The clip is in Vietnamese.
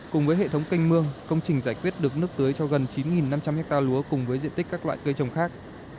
cùng với hệ thống canh mương công trình giải quyết được nước tưới cho gần chín năm trăm linh hectare lúa cùng với diện tích các loại cây trồng khác